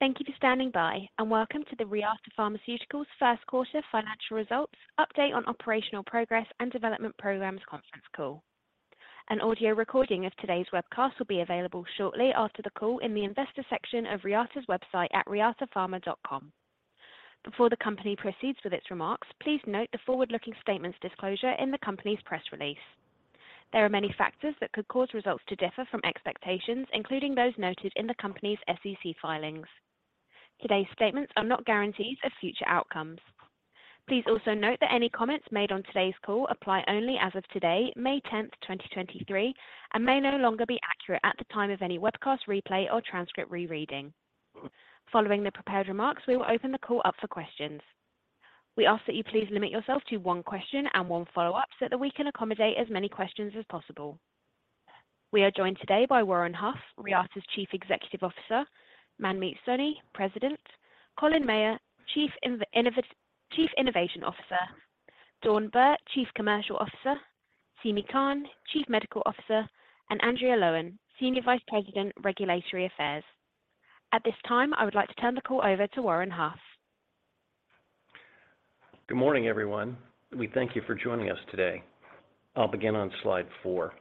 Thank you for standing by, and welcome to the Reata Pharmaceuticals First Quarter Financial Results, update on operational progress and development programs conference call. An audio recording of today's webcast will be available shortly after the call in the investor section of Reata's website at reatapharma.com. Before the company proceeds with its remarks, please note the forward-looking statements disclosure in the company's press release. There are many factors that could cause results to differ from expectations, including those noted in the company's SEC filings. Today's statements are not guarantees of future outcomes. Please also note that any comments made on today's call apply only as of today,10th May, 2023, and may no longer be accurate at the time of any webcast replay or transcript rereading. Following the prepared remarks, we will open the call up for questions. We ask that you please limit yourself to one question and one follow-up so that we can accommodate as many questions as possible. We are joined today by Warren Huff, Reata's Chief Executive Officer, Manmeet Soni, President, Colin Meyer, Chief Innovation Officer, Dawn Bir, Chief Commercial Officer, Seemi Khan, Chief Medical Officer, and Andrea Loewen, Senior Vice President, Regulatory Affairs. At this time, I would like to turn the call over to Warren Huff. Good morning, everyone. We thank you for joining us today. I'll begin on slide four.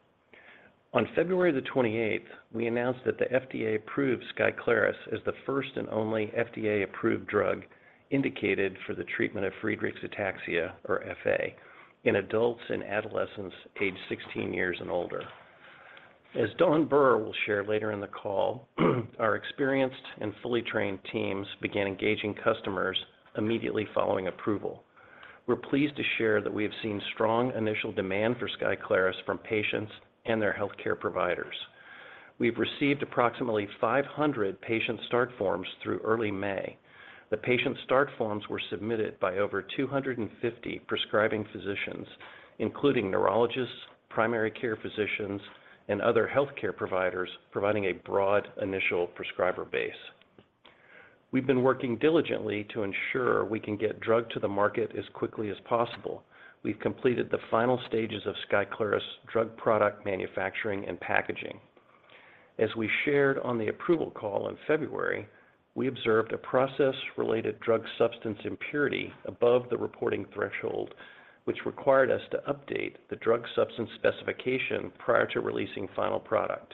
On February the 28th, we announced that the FDA approved SKYCLARYS as the first and only FDA-approved drug indicated for the treatment of Friedreich's ataxia, or FA, in adults and adolescents aged 16 years and older. As Dawn Bir will share later in the call, our experienced and fully trained teams began engaging customers immediately following approval. We're pleased to share that we have seen strong initial demand for SKYCLARYS from patients and their healthcare providers. We've received approximately 500 patient start forms through early May. The patient start forms were submitted by over 250 prescribing physicians, including neurologists, primary care physicians, and other healthcare providers, providing a broad initial prescriber base. We've been working diligently to ensure we can get drug to the market as quickly as possible. We've completed the final stages of SKYCLARYS drug product manufacturing and packaging. As we shared on the approval call in February, we observed a process-related drug substance impurity above the reporting threshold, which required us to update the drug substance specification prior to releasing final product.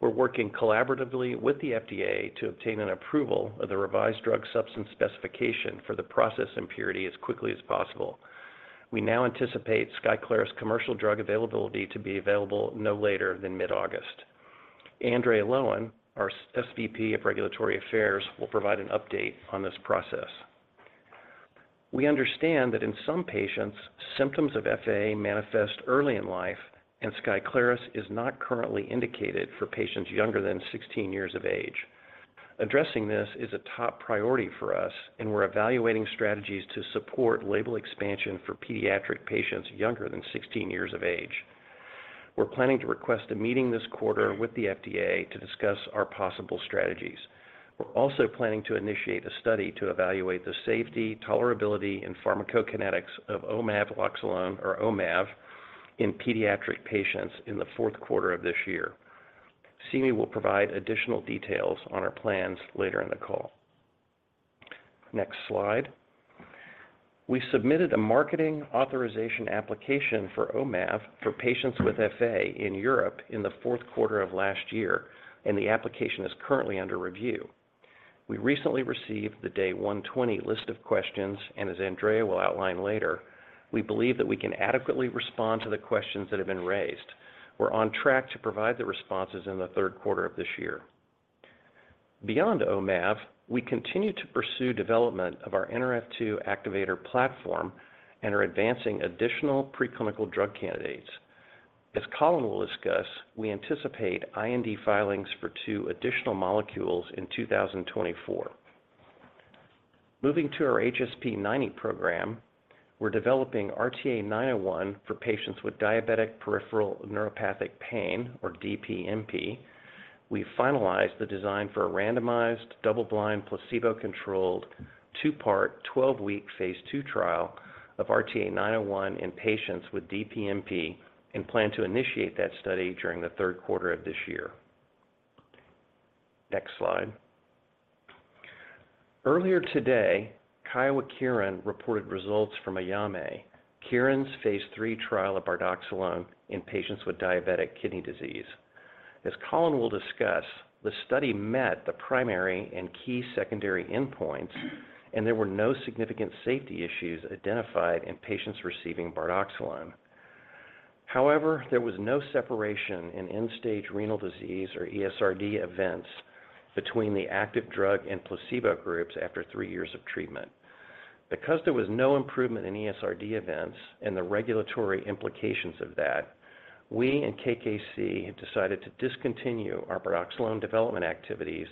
We're working collaboratively with the FDA to obtain an approval of the revised drug substance specification for the process impurity as quickly as possible. We now anticipate SKYCLARYS commercial drug availability to be available no later than mid-August. Andrea Loewen, our SVP of Regulatory Affairs, will provide an update on this process. We understand that in some patients, symptoms of FA manifest early in life and SKYCLARYS is not currently indicated for patients younger than 16 years of age. Addressing this is a top priority for us, and we're evaluating strategies to support label expansion for pediatric patients younger than 16 years of age. We're planning to request a meeting this quarter with the FDA to discuss our possible strategies. We're also planning to initiate a study to evaluate the safety, tolerability, and pharmacokinetics of Omaveloxolone, or Omav, in pediatric patients in the fourth quarter of this year. Seemi will provide additional details on our plans later in the call. Next slide. We submitted a Marketing Authorisation Application for Omav for patients with FA in Europe in the fourth quarter of last year, the application is currently under review. We recently received the Day 120 list of questions, as Andrea will outline later, we believe that we can adequately respond to the questions that have been raised. We're on track to provide the responses in the third quarter of this year. Beyond Omav, we continue to pursue development of our NRF2 activator platform and are advancing additional preclinical drug candidates. As Colin will discuss, we anticipate IND filings for two additional molecules in 2024. Moving to our HSP90 program, we're developing RTA 901 for patients with diabetic peripheral neuropathic pain, or DPNP. We finalized the design for a randomized, double-blind, placebo-controlled, two-part, 12-week Phase 2 trial of RTA 901 in patients with DPNP and plan to initiate that study during the 3rd quarter of this year. Next slide. Earlier today, Kyowa Kirin reported results from AYAME, Kyowa Kirin's Phase 3 trial of Bardoxolone in patients with diabetic kidney disease. As Colin will discuss, the study met the primary and key secondary endpoints, and there were no significant safety issues identified in patients receiving Bardoxolone. However, there was no separation in end-stage renal disease or ESRD events between the active drug and placebo groups after three years of treatment. There was no improvement in ESRD events and the regulatory implications of that, we and KKC have decided to discontinue our Bardoxolone development activities,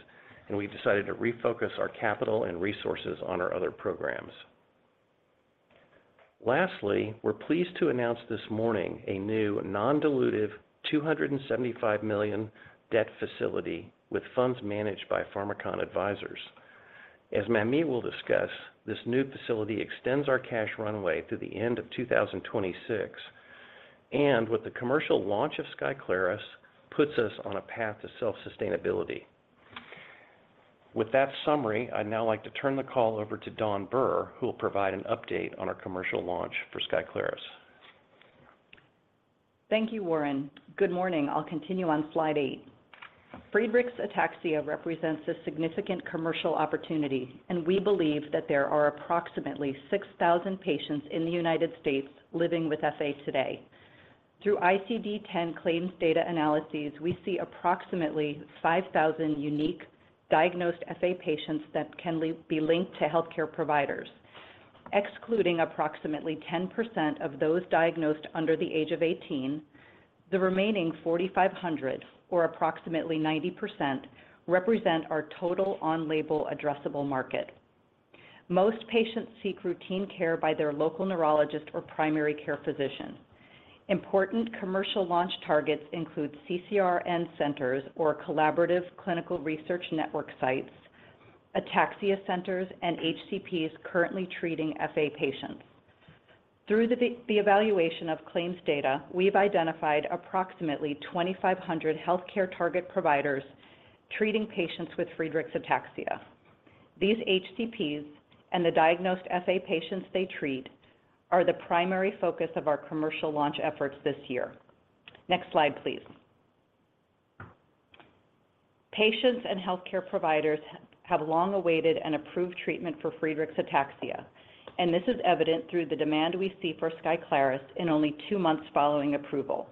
and we've decided to refocus our capital and resources on our other programs. Lastly, we're pleased to announce this morning a new non-dilutive $275 million debt facility with funds managed by Pharmakon Advisors. As Manmeet will discuss, this new facility extends our cash runway to the end of 2026. With the commercial launch of SKYCLARYS, puts us on a path to self-sustainability. With that summary, I'd now like to turn the call over to Dawn Bir, who will provide an update on our commercial launch for SKYCLARYS. Thank you, Warren. Good morning. I'll continue on slide eight. Friedreich's ataxia represents a significant commercial opportunity, and we believe that there are approximately 6,000 patients in the U.S. living with FA today. Through ICD-10 claims data analyses, we see approximately 5,000 unique diagnosed FA patients that can be linked to healthcare providers. Excluding approximately 10% of those diagnosed under the age of 18, the remaining 4,500, or approximately 90%, represent our total on-label addressable market. Most patients seek routine care by their local neurologist or primary care physician. Important commercial launch targets include CCRN centers or collaborative clinical research network sites, ataxia centers, and HCPs currently treating FA patients. Through the evaluation of claims data, we've identified approximately 2,500 healthcare target providers treating patients with Friedreich's ataxia. These HCPs and the diagnosed FA patients they treat are the primary focus of our commercial launch efforts this year. Next slide, please. Patients and healthcare providers have long awaited an approved treatment for Friedreich's ataxia, this is evident through the demand we see for SKYCLARYS in only two months following approval.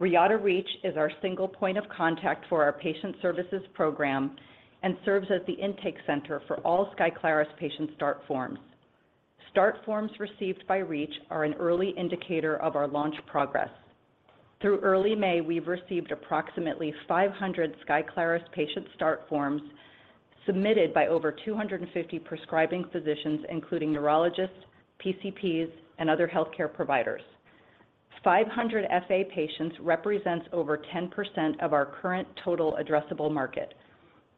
Reata REACH is our single point of contact for our patient services program and serves as the intake center for all SKYCLARYS patient start forms. Start forms received by REACH are an early indicator of our launch progress. Through early May, we've received approximately 500 SKYCLARYS patient start forms submitted by over 250 prescribing physicians, including neurologists, PCPs, and other healthcare providers. 500 FA patients represents over 10% of our current total addressable market.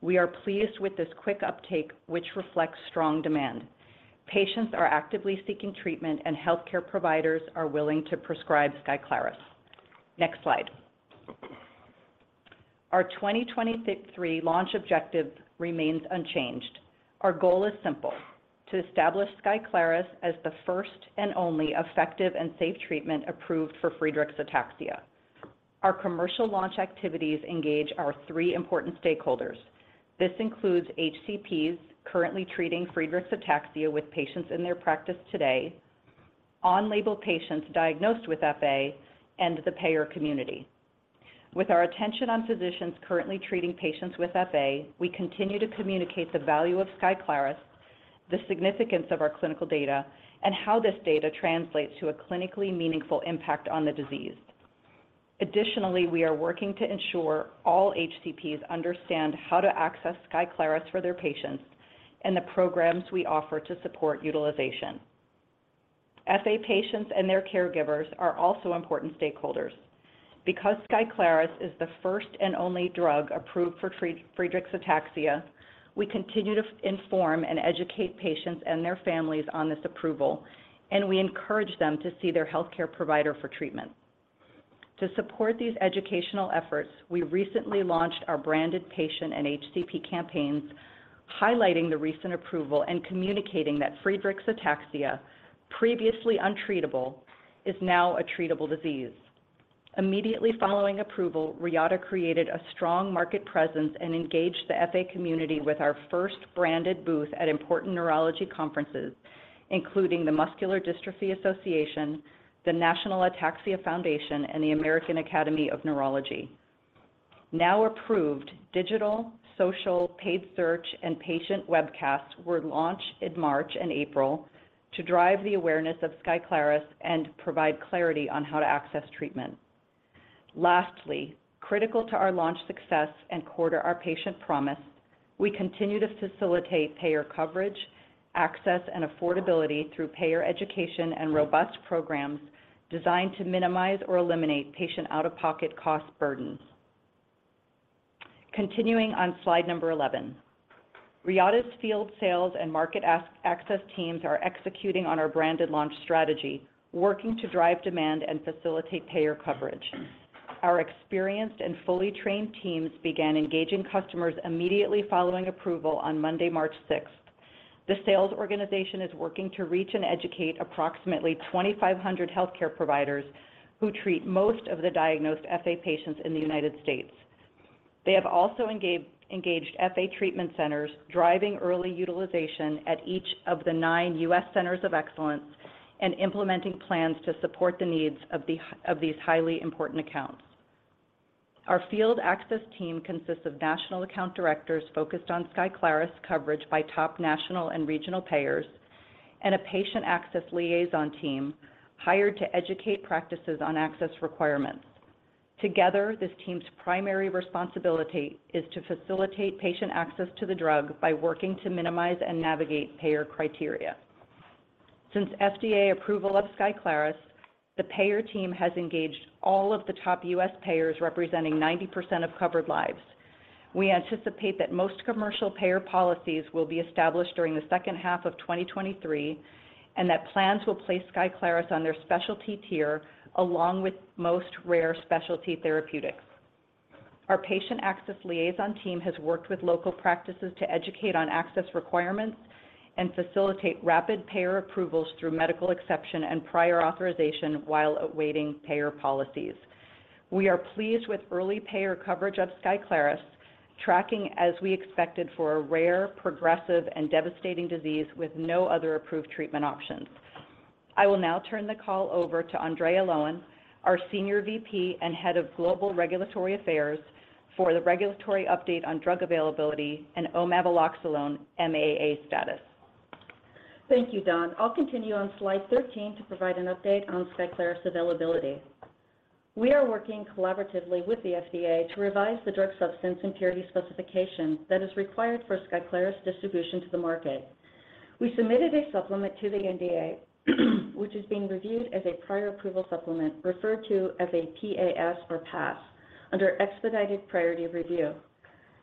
We are pleased with this quick uptake, which reflects strong demand. Patients are actively seeking treatment, and healthcare providers are willing to prescribe SKYCLARYS. Next slide. Our 2023 launch objective remains unchanged. Our goal is simple: to establish SKYCLARYS as the first and only effective and safe treatment approved for Friedreich's ataxia. Our commercial launch activities engage our three important stakeholders. This includes HCPs currently treating Friedreich's ataxia with patients in their practice today, on-label patients diagnosed with FA, and the payer community. With our attention on physicians currently treating patients with FA, we continue to communicate the value of SKYCLARYS, the significance of our clinical data, and how this data translates to a clinically meaningful impact on the disease. Additionally, we are working to ensure all HCPs understand how to access SKYCLARYS for their patients and the programs we offer to support utilization. FA patients and their caregivers are also important stakeholders. SKYCLARYS is the first and only drug approved for Friedreich's ataxia, we continue to inform and educate patients and their families on this approval. We encourage them to see their healthcare provider for treatment. To support these educational efforts, we recently launched our branded patient and HCP campaigns highlighting the recent approval and communicating that Friedreich's ataxia, previously untreatable, is now a treatable disease. Immediately following approval, Reata created a strong market presence and engaged the FA community with our first branded booth at important neurology conferences, including the Muscular Dystrophy Association, the National Ataxia Foundation, and the American Academy of Neurology. Now approved, digital, social, paid search, and patient webcasts were launched in March and April to drive the awareness of SKYCLARYS and provide clarity on how to access treatment. Lastly, critical to our launch success and quarter our patient promise, we continue to facilitate payer coverage, access, and affordability through payer education and robust programs designed to minimize or eliminate patient out-of-pocket cost burdens. Continuing on slide number 11. Reata's field sales and market access teams are executing on our branded launch strategy, working to drive demand and facilitate payer coverage. Our experienced and fully trained teams began engaging customers immediately following approval on Monday, March 6th. The sales organization is working to reach and educate approximately 2,500 healthcare providers who treat most of the diagnosed FA patients in the United States. They have also engaged FA treatment centers, driving early utilization at each of the nine U.S. centers of excellence and implementing plans to support the needs of these highly important accounts. Our field access team consists of national account directors focused on SKYCLARYS coverage by top national and regional payers and a patient access liaison team hired to educate practices on access requirements. Together, this team's primary responsibility is to facilitate patient access to the drug by working to minimize and navigate payer criteria. Since FDA approval of SKYCLARYS, the payer team has engaged all of the top US payers representing 90% of covered lives. We anticipate that most commercial payer policies will be established during the second half of 2023 and that plans will place SKYCLARYS on their specialty tier along with most rare specialty therapeutics. Our patient access liaison team has worked with local practices to educate on access requirements and facilitate rapid payer approvals through medical exception and prior authorization while awaiting payer policies. We are pleased with early payer coverage of SKYCLARYS tracking as we expected for a rare, progressive and devastating disease with no other approved treatment options. I will now turn the call over to Andrea Loewen, our Senior VP and Head of Global Regulatory Affairs for the regulatory update on drug availability and Omaveloxolone MAA status. Thank you, Dawn. I'll continue on slide 13 to provide an update on SKYCLARYS availability. We are working collaboratively with the FDA to revise the drug substance impurity specification that is required for SKYCLARYS distribution to the market. We submitted a supplement to the NDA, which is being reviewed as a prior approval supplement referred to as a PAS or PAS under expedited priority review.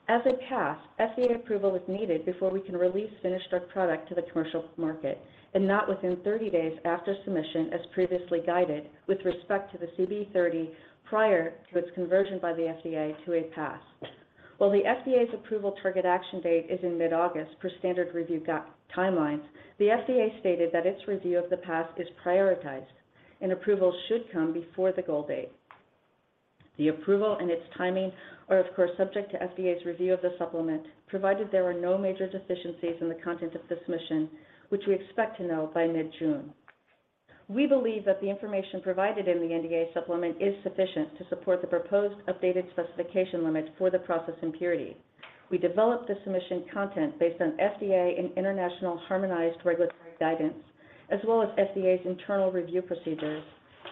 As a PAS, FDA approval is needed before we can release finished drug product to the commercial market and not within 30 days after submission as previously guided with respect to the CBE-30 prior to its conversion by the FDA to a PAS. While the FDA's approval target action date is in mid-August per standard review timelines, the FDA stated that its review of the PAS is prioritized and approval should come before the goal date. The approval and its timing are of course subject to FDA's review of the supplement, provided there are no major deficiencies in the content of submission, which we expect to know by mid-June. We believe that the information provided in the NDA supplement is sufficient to support the proposed updated specification limits for the process impurity. We developed the submission content based on FDA and international harmonized regulatory guidance, as well as FDA's internal review procedures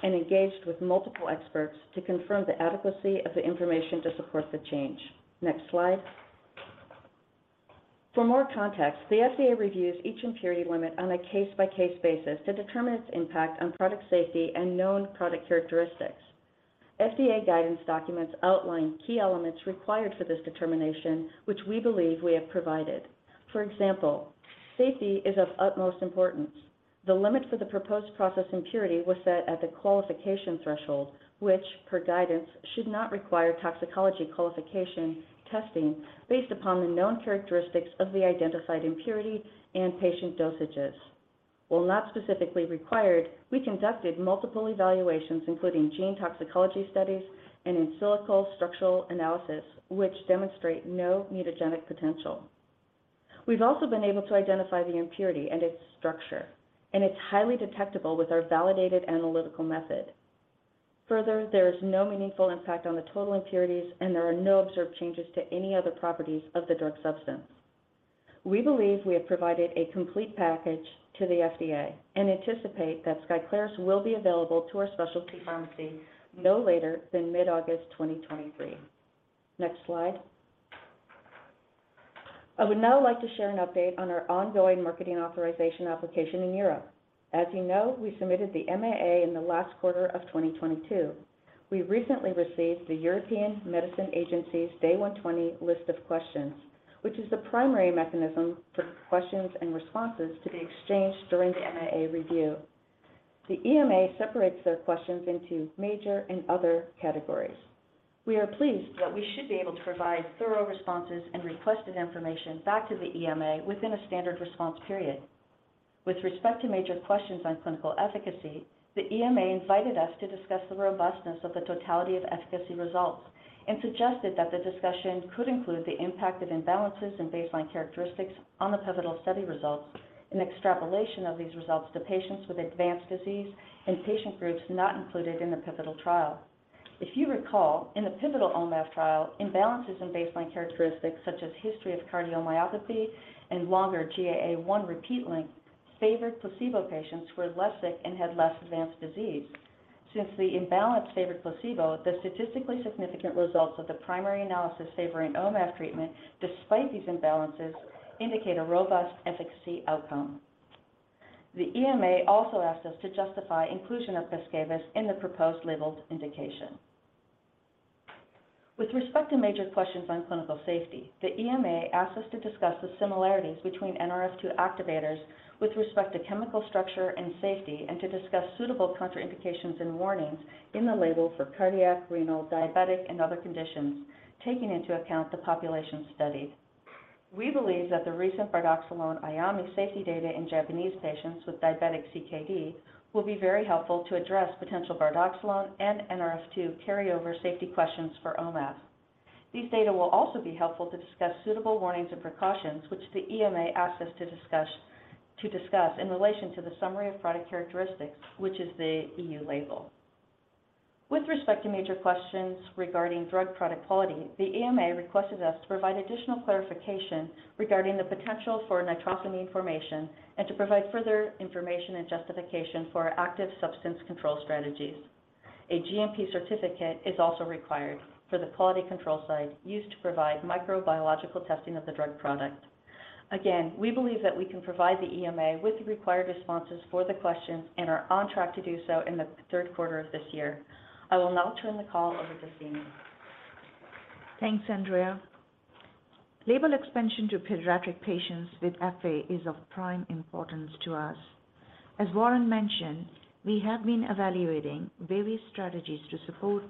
and engaged with multiple experts to confirm the adequacy of the information to support the change. Next slide. For more context, the FDA reviews each impurity limit on a case-by-case basis to determine its impact on product safety and known product characteristics. FDA guidance documents outline key elements required for this determination, which we believe we have provided. For example, safety is of utmost importance. The limit for the proposed process impurity was set at the qualification threshold, which per guidance should not require toxicology qualification testing based upon the known characteristics of the identified impurity and patient dosages. While not specifically required, we conducted multiple evaluations including gene toxicology studies and in silico structural analysis, which demonstrate no mutagenic potential. We've also been able to identify the impurity and its structure, and it's highly detectable with our validated analytical method. Further, there is no meaningful impact on the total impurities, and there are no observed changes to any other properties of the drug substance. We believe we have provided a complete package to the FDA and anticipate that SKYCLARYS will be available to our specialty pharmacy no later than mid-August 2023. Next slide. I would now like to share an update on our ongoing marketing authorization application in Europe. As you know, we submitted the MAA in the last quarter of 2022. We recently received the European Medicines Agency's Day 120 list of questions, which is the primary mechanism for questions and responses to be exchanged during the MAA review. The EMA separates their questions into major and other categories. We are pleased that we should be able to provide thorough responses and requested information back to the EMA within a standard response period. With respect to major questions on clinical efficacy, the EMA invited us to discuss the robustness of the totality of efficacy results and suggested that the discussion could include the impact of imbalances in baseline characteristics on the pivotal study results and extrapolation of these results to patients with advanced disease and patient groups not included in the pivotal trial. If you recall, in the pivotal Omav trial, imbalances in baseline characteristics such as history of cardiomyopathy and longer GAA1 repeat length favored placebo patients who were less sick and had less advanced disease. Since the imbalance favored placebo, the statistically significant results of the primary analysis favoring Omav treatment despite these imbalances indicate a robust efficacy outcome. The EMA also asked us to justify inclusion of pes cavus in the proposed labeled indication. With respect to major questions on clinical safety, the EMA asked us to discuss the similarities between Nrf2 activators with respect to chemical structure and safety and to discuss suitable contraindications and warnings in the label for cardiac, renal, diabetic, and other conditions, taking into account the population studied. We believe that the recent Bardoxolone AYAME safety data in Japanese patients with diabetic CKD will be very helpful to address potential Bardoxolone and NRF2 carryover safety questions for Omav. These data will also be helpful to discuss suitable warnings and precautions which the EMA asked us to discuss in relation to the summary of product characteristics, which is the EU label. With respect to major questions regarding drug product quality, the EMA requested us to provide additional clarification regarding the potential for nitrosamine formation and to provide further information and justification for our active substance control strategies. A GMP certificate is also required for the quality control site used to provide microbiological testing of the drug product. We believe that we can provide the EMA with the required responses for the questions and are on track to do so in the third quarter of this year. I will now turn the call over to Seemi. Thanks, Andrea. Label expansion to pediatric patients with FA is of prime importance to us. As Warren mentioned, we have been evaluating various strategies to support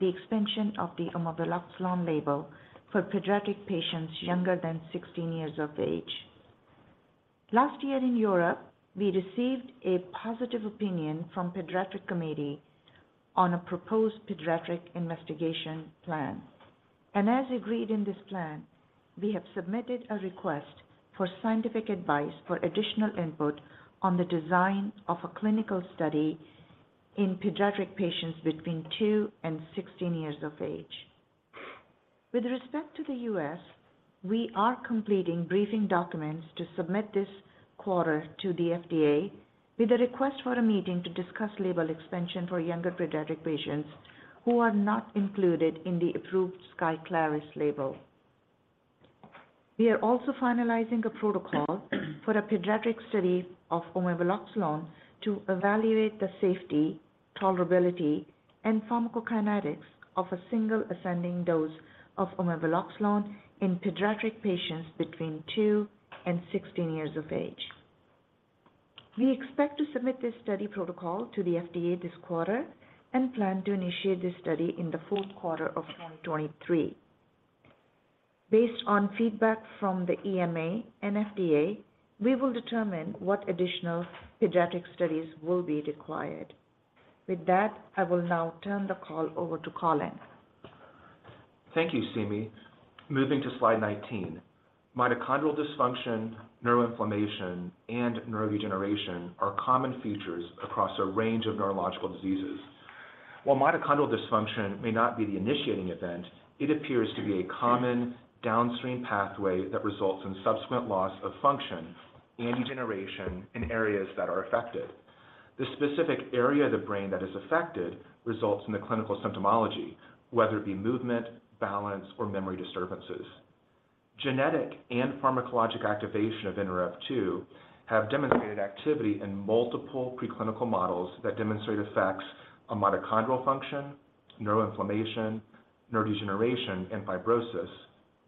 the expansion of the Omaveloxolone label for pediatric patients younger than 16 years of age. Last year in Europe, we received a positive opinion from pediatric committee on a proposed pediatric investigation plan. As agreed in this plan, we have submitted a request for scientific advice for additional input on the design of a clinical study in pediatric patients between two and 16 years of age. With respect to the U.S., we are completing briefing documents to submit this quarter to the FDA with a request for a meeting to discuss label expansion for younger pediatric patients who are not included in the approved SKYCLARYS label. We are also finalizing a protocol for a pediatric study of Omaveloxolone to evaluate the safety, tolerability, and pharmacokinetics of a single ascending dose of Omaveloxolone in pediatric patients between two and 16 years of age. We expect to submit this study protocol to the FDA this quarter and plan to initiate this study in the fourth quarter of 2023. Based on feedback from the EMA and FDA, we will determine what additional pediatric studies will be required. With that, I will now turn the call over to Colin. Thank you, Seemi. Moving to slide 19. Mitochondrial dysfunction, neuroinflammation, and neurodegeneration are common features across a range of neurological diseases. While mitochondrial dysfunction may not be the initiating event, it appears to be a common downstream pathway that results in subsequent loss of function and degeneration in areas that are affected. The specific area of the brain that is affected results in the clinical symptomology, whether it be movement, balance, or memory disturbances. Genetic and pharmacologic activation of Nrf2 have demonstrated activity in multiple preclinical models that demonstrate effects on mitochondrial function, neuroinflammation, neurodegeneration and fibrosis,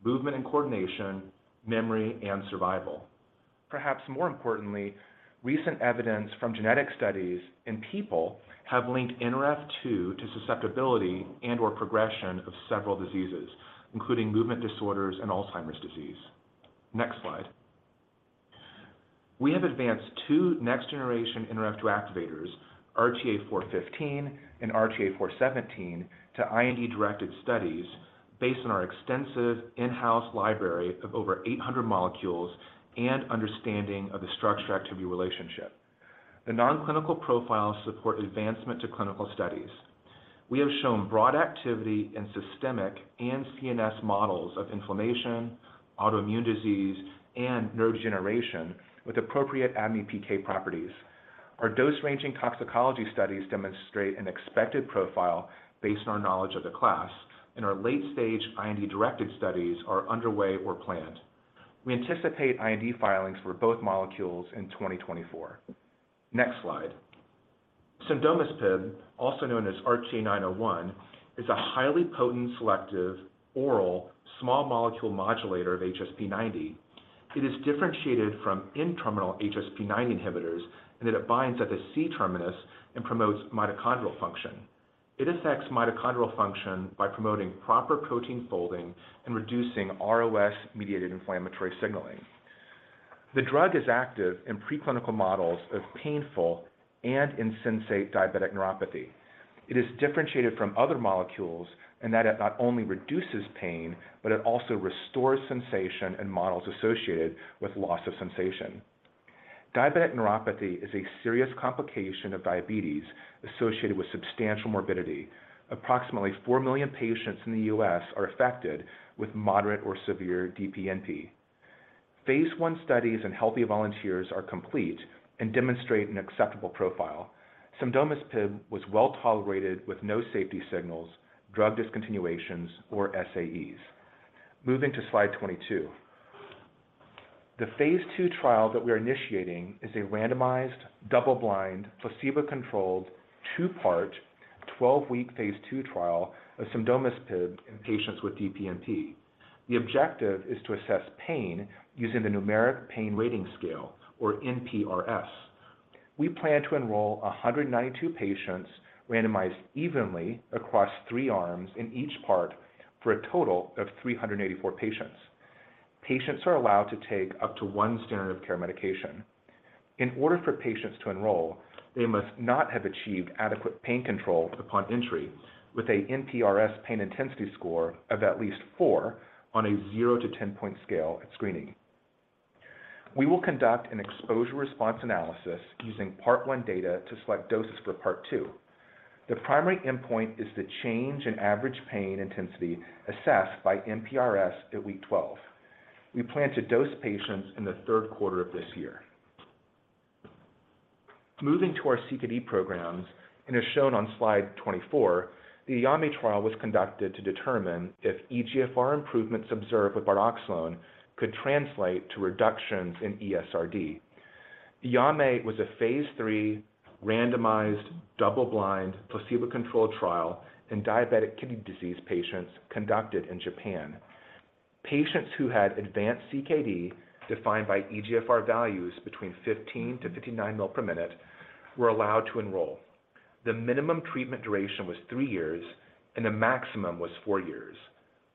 movement and coordination, memory, and survival. Perhaps more importantly, recent evidence from genetic studies in people have linked Nrf2 to susceptibility and/or progression of several diseases, including movement disorders and Alzheimer's disease. Next slide. We have advanced two next generation Nrf2 activators, RTA 415 and RTA 417, to IND-directed studies based on our extensive in-house library of over 800 molecules and understanding of the structure-activity relationship. The non-clinical profiles support advancement to clinical studies. We have shown broad activity in systemic and CNS models of inflammation, autoimmune disease, and neurodegeneration with appropriate ADME-PK properties. Our dose-ranging toxicology studies demonstrate an expected profile based on our knowledge of the class, and our late-stage IND-directed studies are underway or planned. We anticipate IND filings for both molecules in 2024. Next slide. cendesmepib, also known as RTA 901, is a highly potent, selective oral small molecule modulator of Hsp90. It is differentiated from N-terminal Hsp90 inhibitors in that it binds at the C-terminus and promotes mitochondrial function. It affects mitochondrial function by promoting proper protein folding and reducing ROS-mediated inflammatory signaling. The drug is active in preclinical models of painful and insensate diabetic neuropathy. It is differentiated from other molecules in that it not only reduces pain, but it also restores sensation in models associated with loss of sensation. Diabetic neuropathy is a serious complication of diabetes associated with substantial morbidity. Approximately four million patients in the U.S. are affected with moderate or severe DPNP. Phase one studies in healthy volunteers are complete and demonstrate an acceptable profile. cendesmepib was well-tolerated with no safety signals, drug discontinuations, or SAEs. Moving to slide 22. The Phase 2 trial that we are initiating is a randomized, double-blind, placebo-controlled, two-part, 12-week Phase 2 trial of cendesmepib in patients with DPNP. The objective is to assess pain using the Numeric Pain Rating Scale, or NPRS. We plan to enroll 192 patients randomized evenly across three arms in each part for a total of 384 patients. Patients are allowed to take up to one standard of care medication. In order for patients to enroll, they must not have achieved adequate pain control upon entry with a NPRS pain intensity score of at least four on a zero-10-point scale at screening. We will conduct an exposure response analysis using part one data to select doses for part two. The primary endpoint is the change in average pain intensity assessed by NPRS at week 12. We plan to dose patients in the third quarter of this year. Moving to our CKD programs as shown on slide 24, the AYAME trial was conducted to determine if eGFR improvements observed with Bardoxolone could translate to reductions in ESRD. AYAME was a Phase 3 randomized double-blind placebo-controlled trial in diabetic kidney disease patients conducted in Japan. Patients who had advanced CKD defined by eGFR values between 15 to 59 mL per minute were allowed to enroll. The minimum treatment duration was three years and the maximum was four years.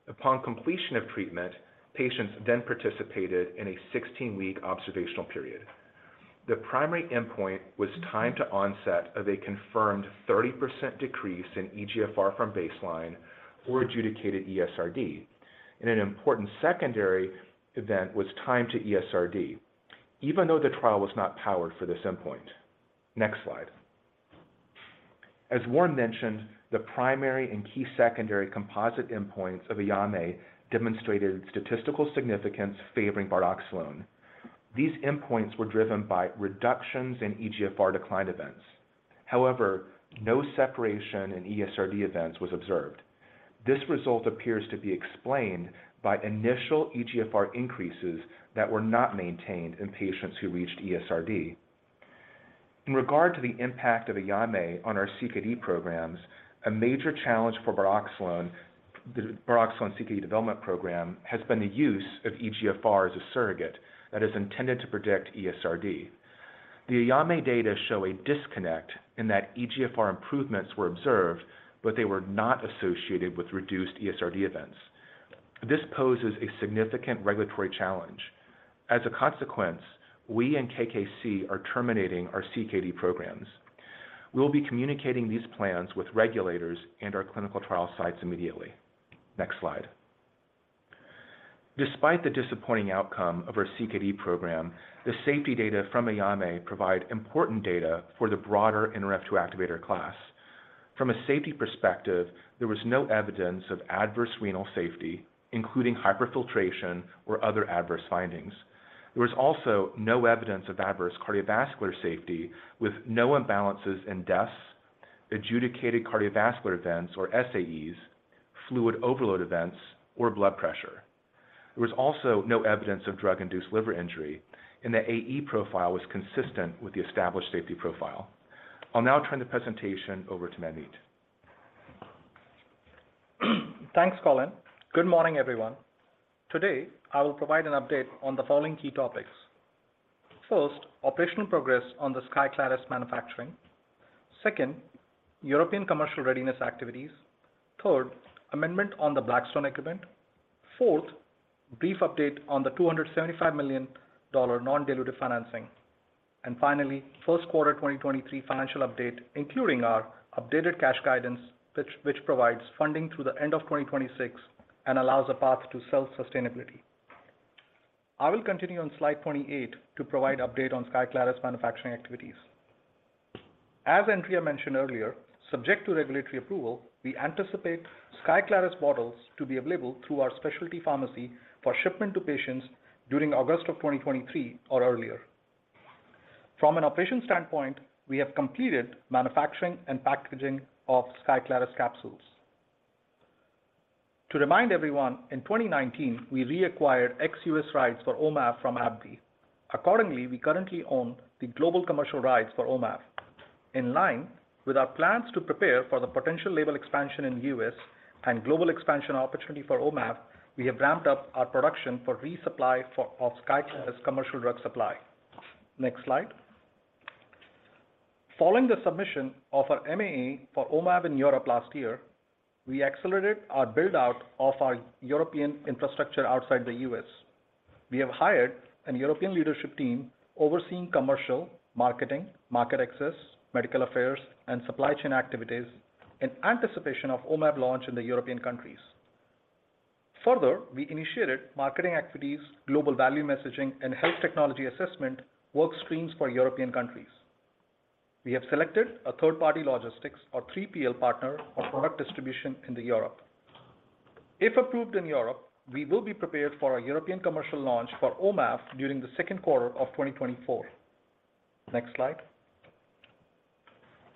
Upon completion of treatment, patients then participated in a 16-week observational period. The primary endpoint was time to onset of a confirmed 30% decrease in eGFR from baseline or adjudicated ESRD, and an important secondary event was time to ESRD even though the trial was not powered for this endpoint. Next slide. As Warren mentioned, the primary and key secondary composite endpoints of AYAME demonstrated statistical significance favoring Bardoxolone. These endpoints were driven by reductions in eGFR decline events. However, no separation in ESRD events was observed. This result appears to be explained by initial eGFR increases that were not maintained in patients who reached ESRD. In regard to the impact of AYAME on our CKD programs, a major challenge for Bardoxolone, the Bardoxolone CKD development program, has been the use of eGFR as a surrogate that is intended to predict ESRD. The AYAME data show a disconnect in that eGFR improvements were observed, but they were not associated with reduced ESRD events. This poses a significant regulatory challenge. As a consequence, we and KKC are terminating our CKD programs. We'll be communicating these plans with regulators and our clinical trial sites immediately. Next slide. Despite the disappointing outcome of our CKD program, the safety data from AYAME provide important data for the broader interferon activator class. From a safety perspective, there was no evidence of adverse renal safety, including hyperfiltration or other adverse findings. There was also no evidence of adverse cardiovascular safety, with no imbalances in deaths, adjudicated cardiovascular events or SAEs, fluid overload events or blood pressure. There was also no evidence of drug-induced liver injury, and the AE profile was consistent with the established safety profile. I'll now turn the presentation over to Manmeet. Thanks, Colin. Good morning, everyone. Today, I will provide an update on the following key topics. First, operational progress on the SKYCLARYS manufacturing. Second, European commercial readiness activities. Third, amendment on the Blackstone equipment. Fourth, brief update on the $275 million non-dilutive financing. Finally, first quarter 2023 financial update, including our updated cash guidance which provides funding through the end of 2026 and allows a path to self-sustainability. I will continue on slide 28 to provide update on SKYCLARYS manufacturing activities. As Andrea mentioned earlier, subject to regulatory approval, we anticipate SKYCLARYS bottles to be available through our specialty pharmacy for shipment to patients during August of 2023 or earlier. From an operations standpoint, we have completed manufacturing and packaging of SKYCLARYS capsules. To remind everyone, in 2019 we reacquired ex-U.S. rights for Omav from AbbVie. Accordingly, we currently own the global commercial rights for Omav. In line with our plans to prepare for the potential label expansion in the U.S. and global expansion opportunity for Omav, we have ramped up our production for resupply of SKYCLARYS commercial drug supply. Next slide. Following the submission of our MAA for Omav in Europe last year, we accelerated our build-out of our European infrastructure outside the U.S. We have hired an European leadership team overseeing commercial, marketing, market access, medical affairs and supply chain activities in anticipation of Omav launch in the European countries. We initiated marketing activities, global value messaging, and health technology assessment workstreams for European countries. We have selected a third-party logistics or 3PL partner for product distribution into Europe. If approved in Europe, we will be prepared for a European commercial launch for Omav during the second quarter of 2024. Next slide.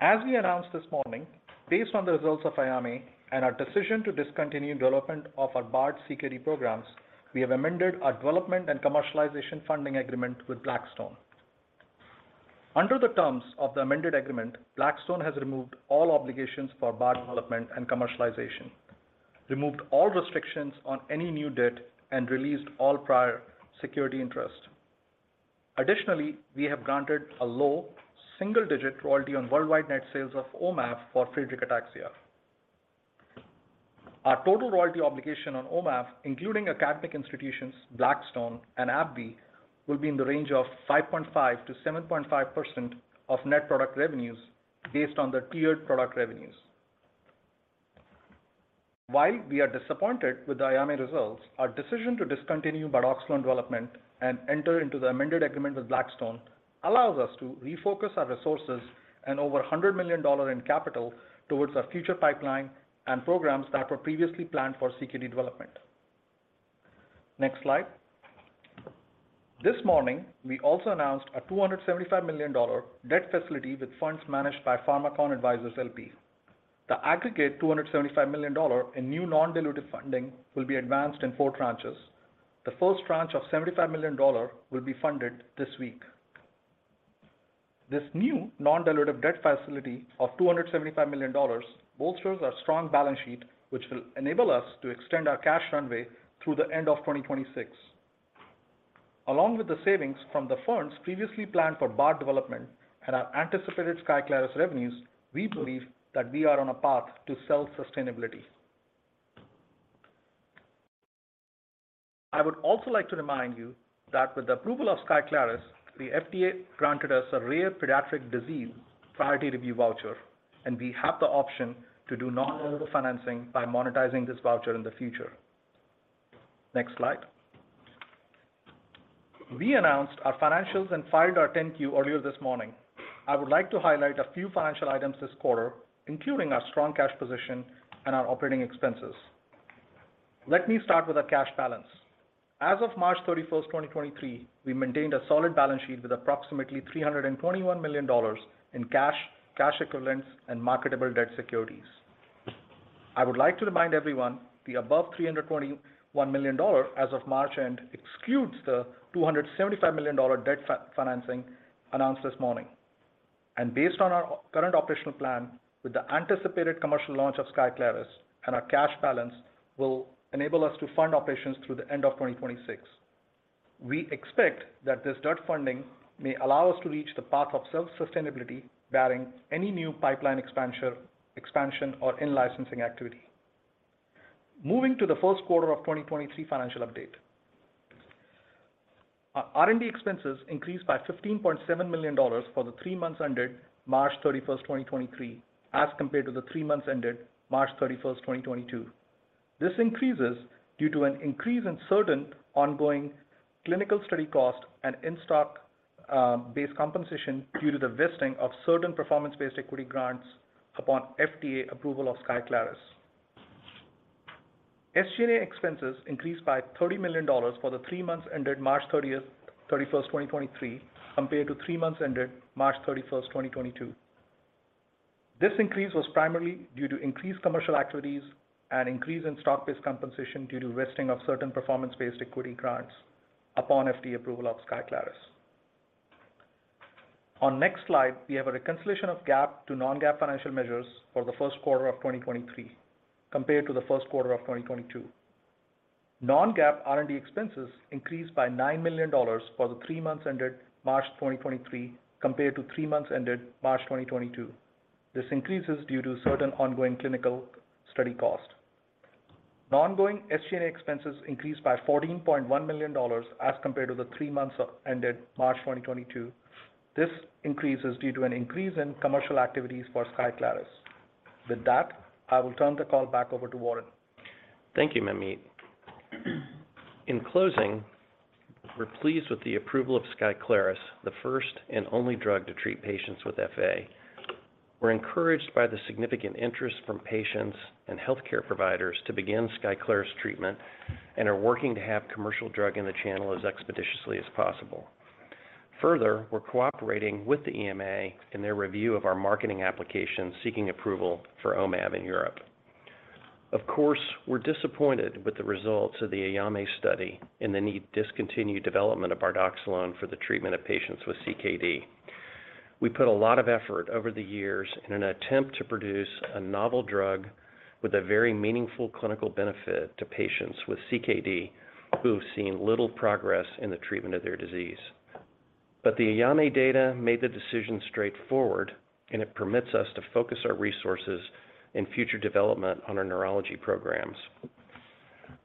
As we announced this morning, based on the results of AYAME and our decision to discontinue development of our Bard CKD programs, we have amended our development and commercialization funding agreement with Blackstone. Under the terms of the amended agreement, Blackstone has removed all obligations for Bard development and commercialization, removed all restrictions on any new debt, and released all prior security interest. Additionally, we have granted a low single-digit royalty on worldwide net sales of Omav for Friedreich's ataxia. Our total royalty obligation on Omav, including academic institutions, Blackstone, and AbbVie, will be in the range of 5.5%-7.5% of net product revenues based on the tiered product revenues. While we are disappointed with the AYAME results, our decision to discontinue Bardoxolone development and enter into the amended agreement with Blackstone allows us to refocus our resources and over $100 million in capital towards our future pipeline and programs that were previously planned for CKD development. Next slide. This morning, we also announced a $275 million debt facility with funds managed by Pharmakon Advisors, LP. The aggregate $275 million in new non-dilutive funding will be advanced in 4 tranches. The first tranche of $75 million will be funded this week. This new non-dilutive debt facility of $275 million bolsters our strong balance sheet, which will enable us to extend our cash runway through the end of 2026. Along with the savings from the funds previously planned for Bard development and our anticipated SKYCLARYS revenues, we believe that we are on a path to self-sustainability. I would also like to remind you that with the approval of SKYCLARYS, the FDA granted us a Rare Pediatric Disease Priority Review Voucher, and we have the option to do non-dilutive financing by monetizing this voucher in the future. Next slide. We announced our financials and filed our 10-Q earlier this morning. I would like to highlight a few financial items this quarter, including our strong cash position and our operating expenses. Let me start with our cash balance. As of 31st March, 2023, we maintained a solid balance sheet with approximately $321 million in cash equivalents, and marketable debt securities. I would like to remind everyone the above $321 million as of March end excludes the $275 million debt financing announced this morning. Based on our current operational plan, with the anticipated commercial launch of SKYCLARYS, our cash balance will enable us to fund operations through the end of 2026. We expect that this debt funding may allow us to reach the path of self-sustainability, barring any new pipeline expansion or in-licensing activity. Moving to the first quarter of 2023 financial update. Our R&D expenses increased by $15.7 million for the three months ended 31st March, 2023, as compared to the three months ended 31st March, 2022. This increases due to an increase in certain ongoing clinical study costs and in-stock, base compensation due to the vesting of certain performance-based equity grants upon FDA approval of SKYCLARYS. SG&A expenses increased by $30 million for the three months ended 31st March, 2023, compared to three months ended 31st March, 2022. This increase was primarily due to increased commercial activities and increase in stock-based compensation due to vesting of certain performance-based equity grants upon FDA approval of SKYCLARYS. On next slide, we have a reconciliation of GAAP to non-GAAP financial measures for the first quarter of 2023 compared to the first quarter of 2022. Non-GAAP R&D expenses increased by $9 million for the three months ended March 2023 compared to three months ended March 2022. This increase is due to certain ongoing clinical study cost. Non-going SG&A expenses increased by $14.1 million as compared to the three months ended March 2022. This increase is due to an increase in commercial activities for SKYCLARYS. With that, I will turn the call back over to Warren. Thank you, Manmeet. In closing, we're pleased with the approval of SKYCLARYS, the first and only drug to treat patients with FA. We're encouraged by the significant interest from patients and healthcare providers to begin SKYCLARYS treatment and are working to have commercial drug in the channel as expeditiously as possible. Further, we're cooperating with the EMA in their review of our marketing application seeking approval for Omav in Europe. Of course, we're disappointed with the results of the AYAME study and the need to discontinue development of Bardoxolone for the treatment of patients with CKD. We put a lot of effort over the years in an attempt to produce a novel drug with a very meaningful clinical benefit to patients with CKD, who have seen little progress in the treatment of their disease. The AYAME data made the decision straightforward, and it permits us to focus our resources in future development on our neurology programs.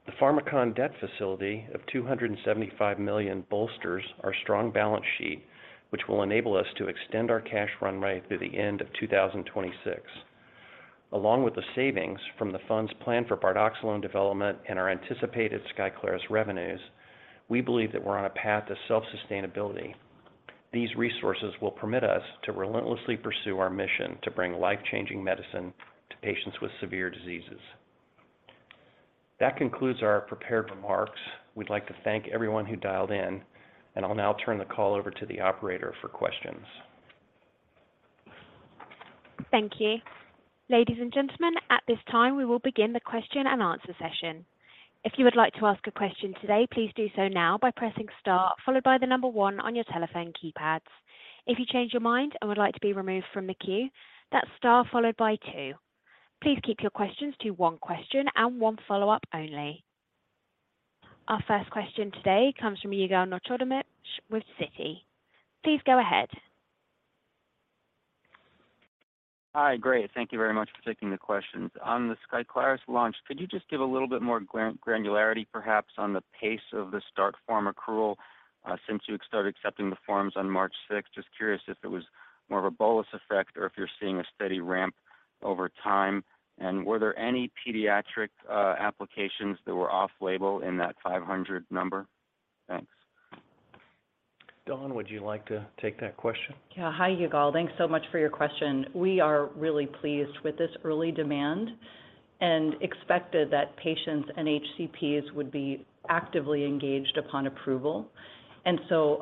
The Pharmakon debt facility of $275 million bolsters our strong balance sheet, which will enable us to extend our cash run rate through the end of 2026. Along with the savings from the funds planned for Bardoxolone development and our anticipated SKYCLARYS revenues, we believe that we're on a path to self-sustainability. These resources will permit us to relentlessly pursue our mission to bring life-changing medicine to patients with severe diseases. That concludes our prepared remarks. We'd like to thank everyone who dialed in, and I'll now turn the call over to the operator for questions. Thank you. Ladies and gentlemen, at this time, we will begin the question and answer session. If you would like to ask a question today, please do so now by pressing star followed by the one on your telephone keypads. If you change your mind and would like to be removed from the queue, that's star followed by two. Please keep your questions to one question and one follow-up only. Our first question today comes from Yigal Nochomovitz with Citi. Please go ahead. Hi. Great. Thank you very much for taking the questions. On the SKYCLARYS launch, could you just give a little bit more granularity perhaps on the pace of the start form accrual, since you started accepting the forms on March 6? Just curious if it was more of a bolus effect or if you're seeing a steady ramp over time. Were there any pediatric applications that were off label in that 500 number? Thanks. Dawn, would you like to take that question? Yeah. Hi Yigal. Thanks so much for your question. We are really pleased with this early demand and expected that patients and HCPs would be actively engaged upon approval.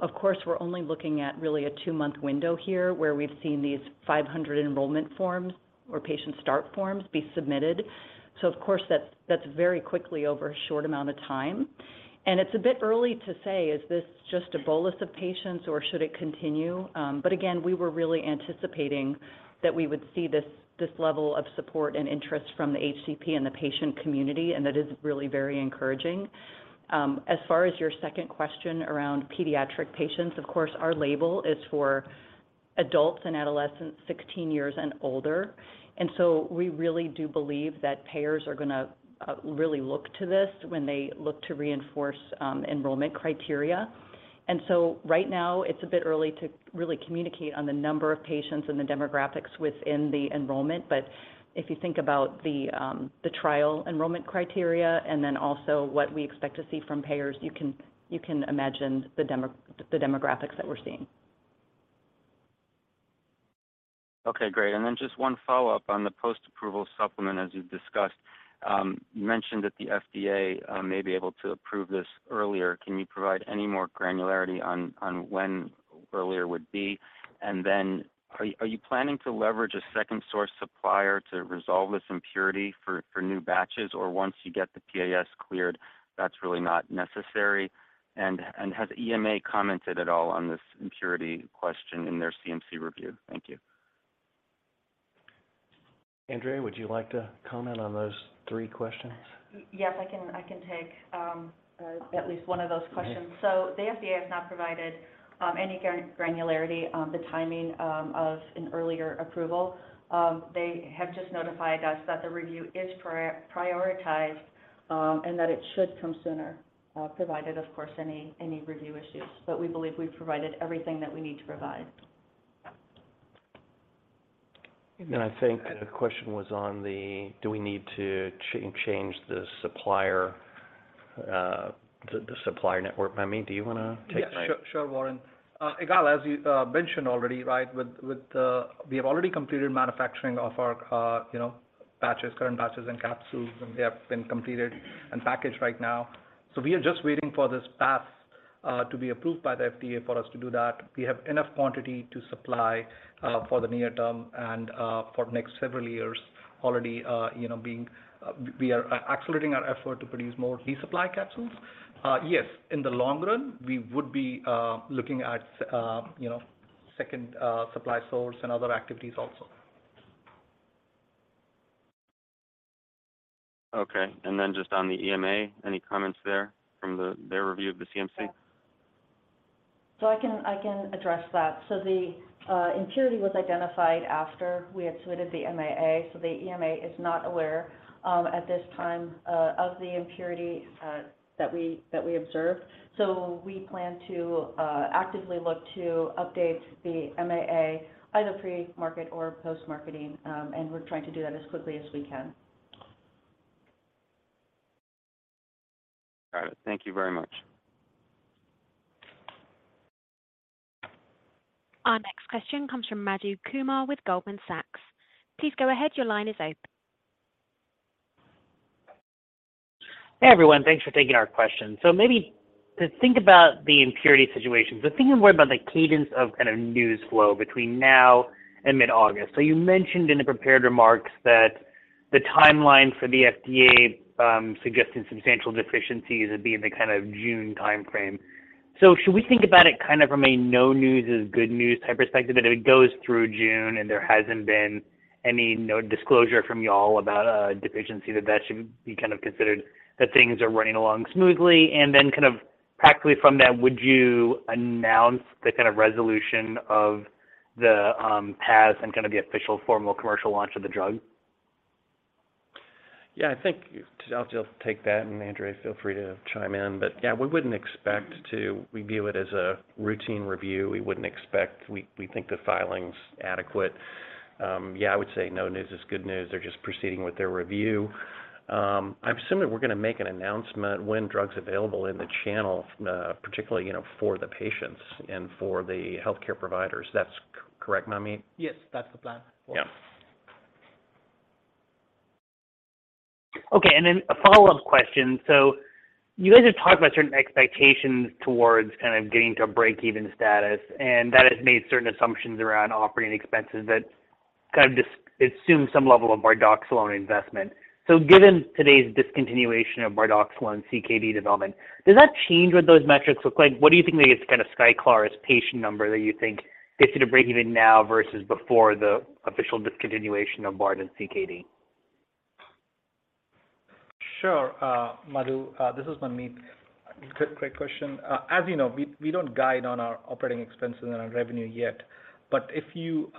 Of course, we're only looking at really a two-month window here where we've seen these 500 enrollment forms or patient start forms be submitted. Of course, that's very quickly over a short amount of time. It's a bit early to say, is this just a bolus of patients or should it continue? Again, we were really anticipating that we would see this level of support and interest from the HCP and the patient community, and that is really very encouraging. As far as your second question around pediatric patients, of course, our label is for adults and adolescents 16 years and older. We really do believe that payers are gonna really look to this when they look to reinforce enrollment criteria. Right now it's a bit early to really communicate on the number of patients and the demographics within the enrollment. If you think about the trial enrollment criteria and then also what we expect to see from payers, you can imagine the demographics that we're seeing. Okay, great. Just one follow-up on the post-approval supplement, as you've discussed. You mentioned that the FDA may be able to approve this earlier. Can you provide any more granularity on when earlier would be? Are you planning to leverage a second source supplier to resolve this impurity for new batches? Once you get the PAS cleared, that's really not necessary? Has EMA commented at all on this impurity question in their CMC review? Thank you. Andrea, would you like to comment on those three questions? Yes, I can take at least one of those questions. Okay. The FDA has not provided any granularity on the timing of an earlier approval. They have just notified us that the review is prioritized and that it should come sooner, provided, of course, any review issues. We believe we've provided everything that we need to provide. I think the question was on the, do we need to change the supplier network. Manmeet, do you wanna take that? Yeah. Sure, Warren. Yigal, as you mentioned already, right? We have already completed manufacturing of our, you know, batches, current batches and capsules, and they have been completed and packaged right now. We are just waiting for this PAS to be approved by the FDA for us to do that. We have enough quantity to supply for the near term and for next several years already, you know, we are accelerating our effort to produce more resupply capsules. Yes, in the long run, we would be looking at, you know, second supply source and other activities also. Okay. Then just on the EMA, any comments there from their review of the CMC? I can address that. The impurity was identified after we had submitted the MAA. The EMA is not aware at this time of the impurity that we that we observed. We plan to actively look to update the MAA either pre-market or post-marketing, and we're trying to do that as quickly as we can. Got it. Thank you very much. Our next question comes from Madhu Kumar with Goldman Sachs. Please go ahead. Your line is open. Hey, everyone. Thanks for taking our question. Maybe to think about the impurity situation, thinking more about the cadence of kind of news flow between now and mid-August. You mentioned in the prepared remarks that the timeline for the FDA suggesting substantial deficiencies would be in the kind of June timeframe. Should we think about it kind of from a no news is good news type perspective? If it goes through June and there hasn't been any, you know, disclosure from y'all about a deficiency, that should be kind of considered that things are running along smoothly. Kind of practically from that, would you announce the kind of resolution of the PAS and kind of the official formal commercial launch of the drug? I'll just take that, and Andrea, feel free to chime in. Yeah, we wouldn't expect to review it as a routine review. We think the filing's adequate. Yeah, I would say no news is good news. They're just proceeding with their review. I'm assuming we're gonna make an announcement when drug's available in the channel, particularly, you know, for the patients and for the healthcare providers. That's correct, Manmeet? Yes, that's the plan. Yeah. A follow-up question. You guys have talked about certain expectations towards kind of getting to a break-even status, and that has made certain assumptions around operating expenses that kind of assume some level of Bardoxolone investment. Given today's discontinuation of Bardoxolone CKD development, does that change what those metrics look like? What do you think maybe is kind of SKYCLARYS patient number that you think gets you to breaking even now versus before the official discontinuation of Bardoxolone CKD? Sure. Madhu, this is Manmeet. Great question. As you know, we don't guide on our operating expenses and our revenue yet. If you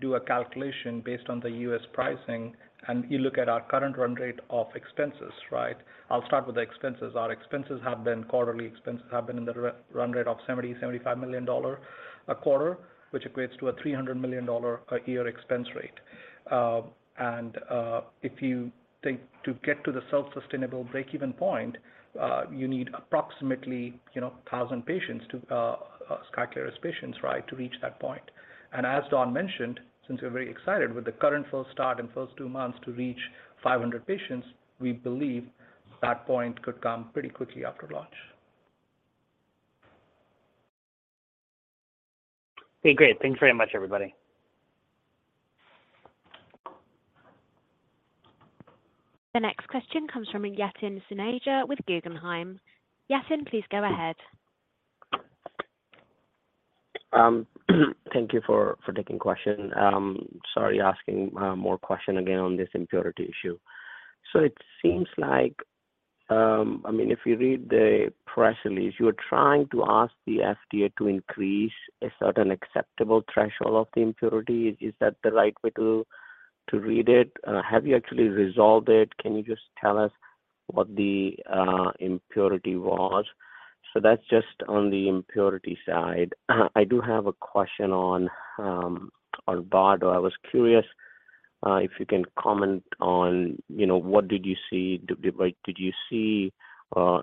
do a calculation based on the U.S. pricing and you look at our current run rate of expenses, right? I'll start with the expenses. Our expenses have been quarterly. Expenses have been in the run rate of $70 million-$75 million a quarter, which equates to a $300 million a year expense rate. If you think to get to the self-sustainable break-even point. You need approximately, you know, 1,000 patients to SKYCLARYS patients, right, to reach that point. As Dawn mentioned, since we're very excited with the current full start and first two months to reach 500 patients, we believe that point could come pretty quickly after launch. Okay, great. Thanks very much everybody. The next question comes from Yatin Suneja with Guggenheim. Yatin, please go ahead. Thank you for taking question. Sorry, asking more question again on this impurity issue. It seems like, I mean, if you read the press release, you are trying to ask the FDA to increase a certain acceptable threshold of the impurity. Is that the right way to read it? Have you actually resolved it? Can you just tell us what the impurity was? That's just on the impurity side. I do have a question on Bardoxolone. I was curious, if you can comment on, you know, what did you see? Did you see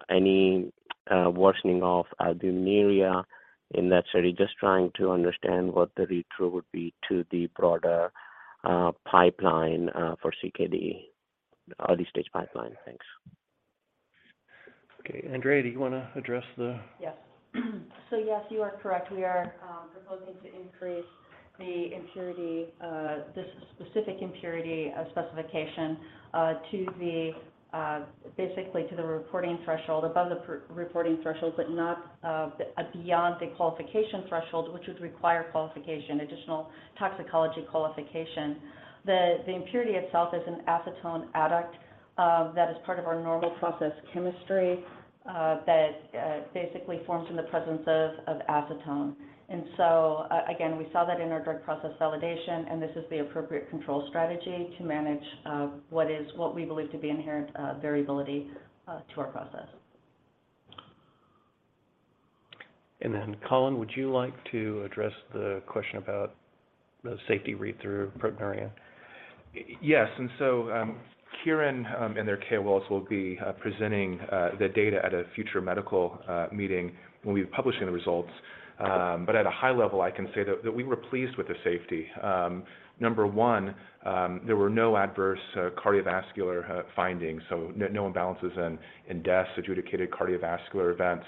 any worsening of albuminuria in that study? Just trying to understand what the read-through would be to the broader pipeline for CKD, early stage pipeline. Thanks. Okay. Andrea, do you wanna address the? Yes. Yes, you are correct. We are proposing to increase the impurity, the specific impurity, specification, to the basically to the reporting threshold, above the per-reporting threshold, but not beyond the qualification threshold, which would require qualification, additional toxicology qualification. The impurity itself is an acetone adduct that is part of our normal process chemistry that basically forms in the presence of acetone. Again, we saw that in our drug process validation, and this is the appropriate control strategy to manage what we believe to be inherent variability to our process. Colin, would you like to address the question about the safety read-through proteinuria? Yes. Kyowa Kirin and their colleagues will be presenting the data at a future medical meeting when we'll be publishing the results. At a high level, I can say that we were pleased with the safety. Number one, there were no adverse cardiovascular findings, so no imbalances in deaths, adjudicated cardiovascular events,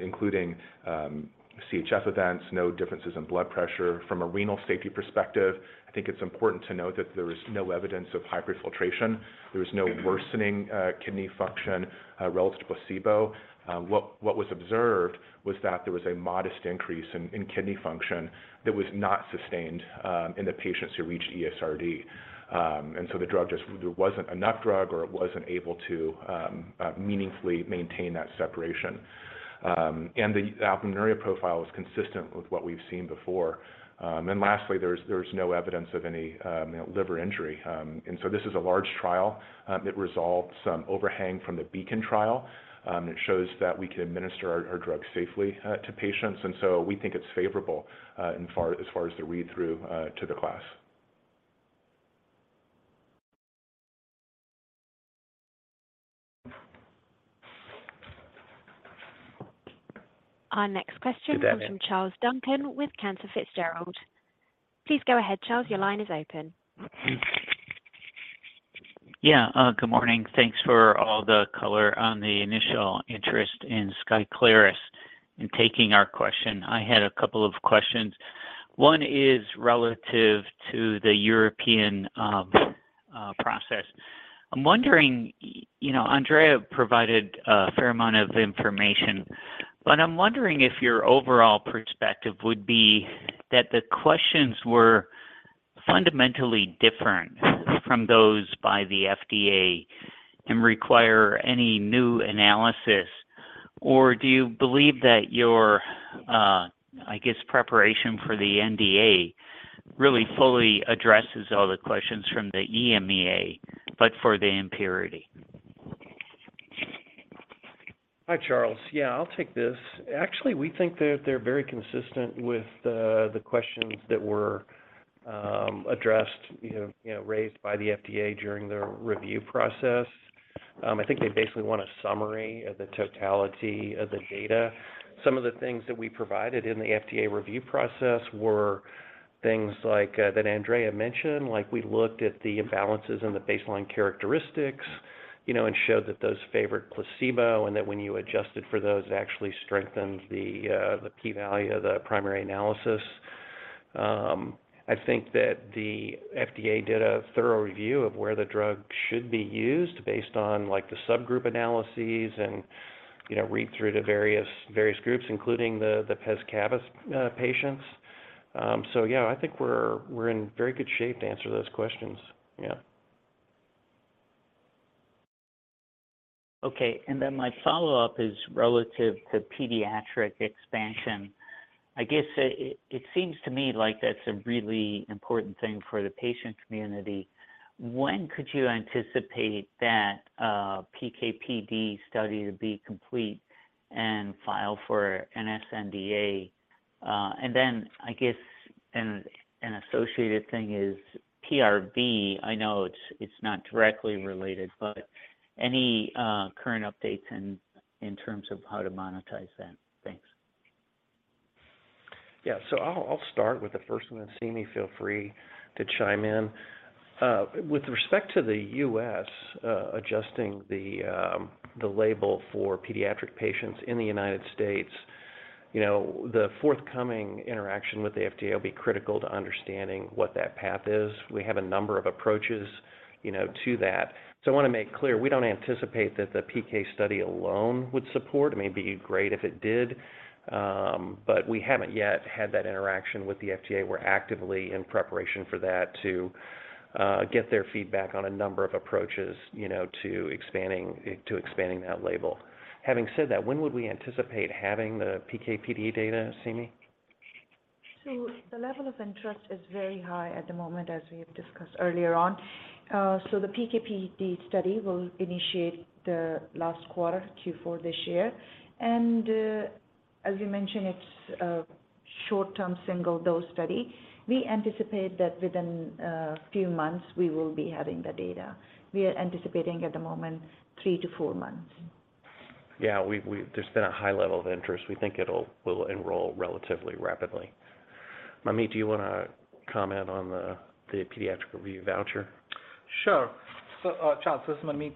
including CHF events, no differences in blood pressure. From a renal safety perspective, I think it's important to note that there was no evidence of hyperfiltration. There was no worsening kidney function relative to placebo. What was observed was that there was a modest increase in kidney function that was not sustained in the patients who reached ESRD. The drug there wasn't enough drug or it wasn't able to meaningfully maintain that separation. The albuminuria profile was consistent with what we've seen before. Lastly, there was no evidence of any, you know, liver injury. This is a large trial that resolved some overhang from the BEACON trial. It shows that we can administer our drug safely to patients. We think it's favorable as far as the read-through to the class. Our next question. Is that me? from Charles Duncan with Cantor Fitzgerald. Please go ahead, Charles. Your line is open. Yeah, good morning. Thanks for all the color on the initial interest in SKYCLARYS and taking our question. I had a couple of questions. One is relative to the European process. I'm wondering, you know, Andrea provided a fair amount of information, but I'm wondering if your overall perspective would be that the questions were fundamentally different from those by the FDA and require any new analysis, or do you believe that your, I guess, preparation for the NDA really fully addresses all the questions from the EMA, but for the impurity? Hi, Charles. Yeah, I'll take this. Actually, we think that they're very consistent with the questions that were addressed, you know, raised by the FDA during their review process. I think they basically want a summary of the totality of the data. Some of the things that we provided in the FDA review process were things like that Andrea mentioned, like we looked at the imbalances in the baseline characteristics, you know, and showed that those favored placebo, and that when you adjusted for those, it actually strengthens the P-value of the primary analysis. I think that the FDA did a thorough review of where the drug should be used based on, like, the subgroup analyses and, you know, read-through to various groups, including the pes cavus patients. Yeah, I think we're in very good shape to answer those questions. Yeah. My follow-up is relative to pediatric expansion. I guess, it seems to me like that's a really important thing for the patient community. When could you anticipate that PKPD study to be complete and file for an SNDA? I guess an associated thing is PRV. I know it's not directly related, but any current updates in terms of how to monetize that? Thanks. I'll start with the first one, and Seemi, feel free to chime in. With respect to the U.S., adjusting the label for pediatric patients in the United States, you know, the forthcoming interaction with the FDA will be critical to understanding what that path is. We have a number of approaches, you know, to that. I wanna make clear, we don't anticipate that the PK study alone would support. It may be great if it did, but we haven't yet had that interaction with the FDA. We're actively in preparation for that to get their feedback on a number of approaches, you know, to expanding that label. Having said that, when would we anticipate having the PK/PD data, Seemi? The level of interest is very high at the moment, as we have discussed earlier on. The PK/PD study will initiate the last quarter, Q4 this year. As you mentioned, it's a short-term single-dose study. We anticipate that within a few months we will be having the data. We are anticipating at the moment three to four months. Yeah. We've been a high level of interest. We think we'll enroll relatively rapidly. Manmeet, do you wanna comment on the pediatric review voucher? Sure. Charles, this is Manmeet.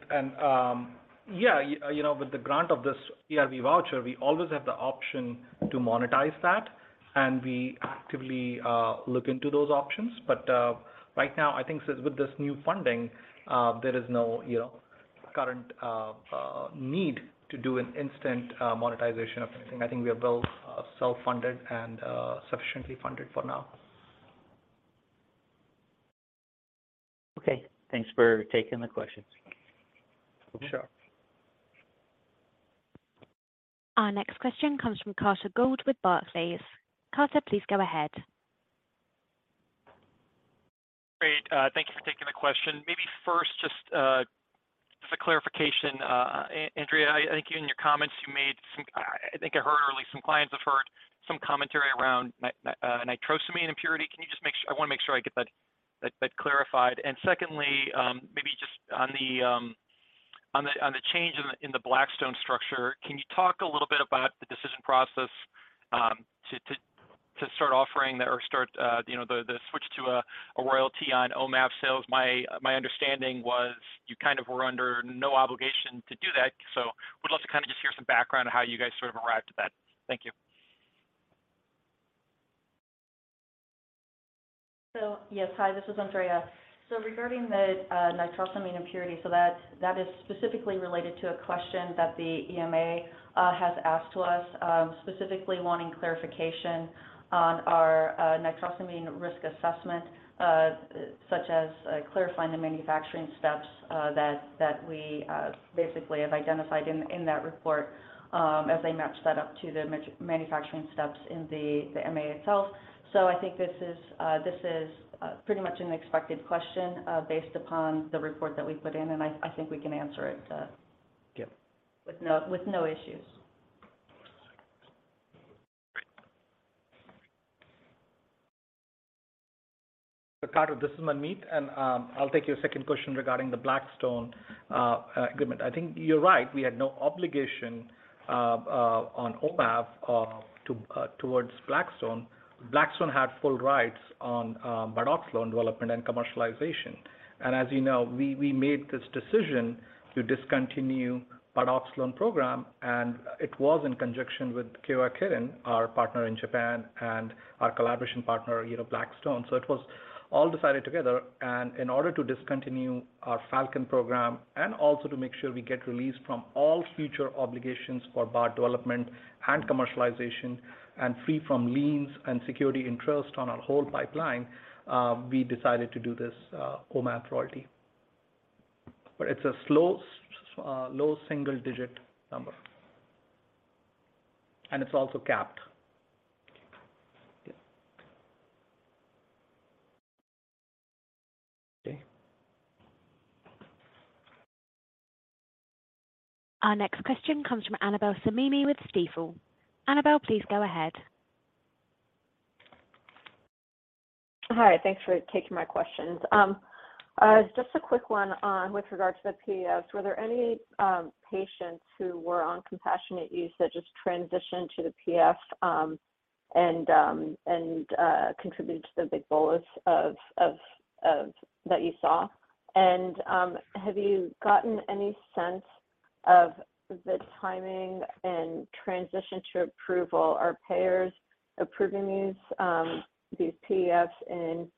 You know, with the grant of this PRV voucher, we always have the option to monetize that, and we actively look into those options. Right now, I think with this new funding, you know, there is no current need to do an instant monetization of anything. I think we are well self-funded and sufficiently funded for now. Okay. Thanks for taking the questions. Sure. Our next question comes from Carter Gould with Barclays. Carter, please go ahead. Great. Thank you for taking the question. Maybe first, just a clarification. Andrea, I think I heard earlier some clients have heard some commentary around nitrosamine impurity. Can you just make sure I wanna make sure I get that clarified. Secondly, maybe just on the change in the Blackstone structure, can you talk a little bit about the decision process to start offering or start, you know, the switch to a royalty on Omav sales? My understanding was you kind of were under no obligation to do that. Would love to kinda just hear some background on how you guys sort of arrived at that. Thank you. yes. Hi, this is Andrea. Regarding the nitrosamine impurity, that is specifically related to a question that the EMA has asked to us, specifically wanting clarification on our nitrosamine risk assessment, such as clarifying the manufacturing steps that we basically have identified in that report, as they match that up to the manufacturing steps in the MA itself. I think this is pretty much an expected question, based upon the report that we put in, and I think we can answer it. Yeah with no issues. Carter, this is Manmeet, I'll take your second question regarding the Blackstone agreement. I think you're right. We had no obligation on Omav towards Blackstone. Blackstone had full rights on Bardoxolone development and commercialization. As you know, we made this decision to discontinue Bardoxolone program, and it was in conjunction with Kyowa Kirin, our partner in Japan, and our collaboration partner, you know, Blackstone. It was all decided together. In order to discontinue our FALCON program and also to make sure we get released from all future obligations for Bard development and commercialization and free from liens and security interest on our whole pipeline, we decided to do this Omav royalty. It's a slow, low single digit number, and it's also capped. Yeah. Our next question comes from Annabel Samimy with Stifel. Annabel, please go ahead. Hi. Thanks for taking my questions. Just a quick one with regards to the PAS. Were there any patients who were on compassionate use that just transitioned to the PAS and contributed to the big bolus of that you saw? Have you gotten any sense of the timing and transition to approval? Are payers approving these PAS in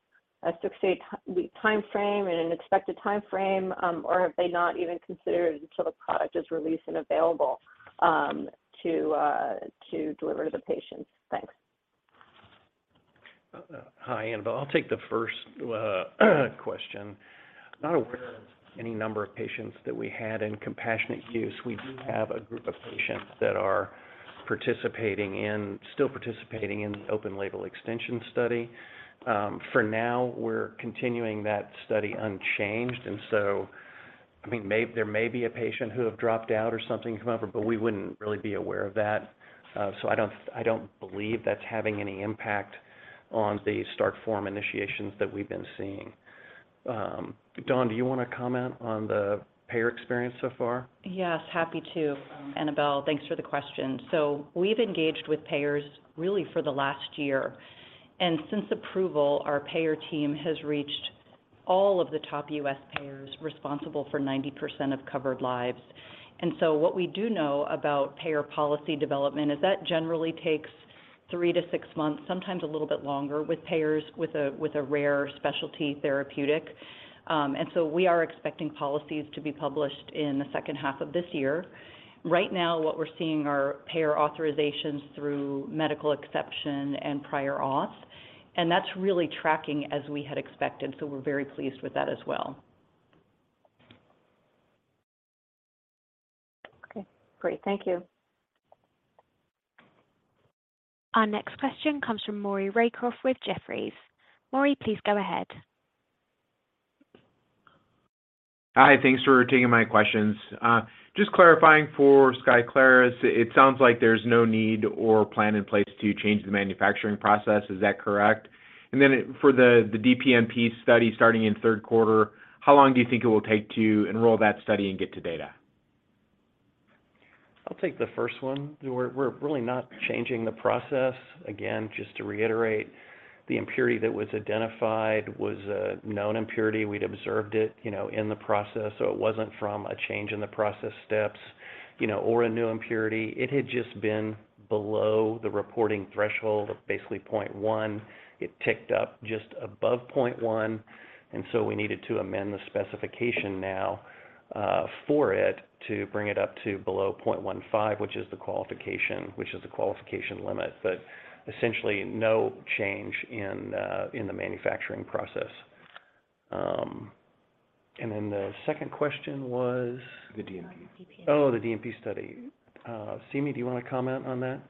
a six-eight week timeframe and an expected timeframe? Or have they not even considered it until the product is released and available to deliver to the patients? Thanks. Hi, Annabel. I'll take the first question. Not aware of any number of patients that we had in compassionate use. We do have a group of patients that are participating in, still participating in the open label extension study. For now, we're continuing that study unchanged. I mean, there may be a patient who have dropped out or something, but we wouldn't really be aware of that. I don't believe that's having any impact on the start form initiations that we've been seeing. Dawn, do you wanna comment on the payer experience so far? Yes, happy to. Annabel, thanks for the question. We've engaged with payers really for the last year. Since approval, our payer team has reached all of the top U.S. payers responsible for 90% of covered lives. What we do know about payer policy development is that generally takes three-six months, sometimes a little bit longer with payers with a rare specialty therapeutic. We are expecting policies to be published in the second half of this year. Right now, what we're seeing are payer authorizations through medical exception and prior auth, and that's really tracking as we had expected, so we're very pleased with that as well. Okay, great. Thank you. Our next question comes from Maury Raycroft with Jefferies. Maury, please go ahead. Hi. Thanks for taking my questions. just clarifying for SKYCLARYS, it sounds like there's no need or plan in place to change the manufacturing process. Is that correct? For the DPNP study starting in third quarter, how long do you think it will take to enroll that study and get to data? I'll take the first one. We're really not changing the process. Again, just to reiterate, the impurity that was identified was a known impurity. We'd observed it, you know, in the process, so it wasn't from a change in the process steps, you know, or a new impurity. It had just been below the reporting threshold of basically 0.1. It ticked up just above 0.1. So we needed to amend the specification now for it to bring it up to below 0.15, which is the qualification limit. Essentially no change in the manufacturing process. Then the second question was? The DMP. The DPNP study. Seemi, do you wanna comment on that?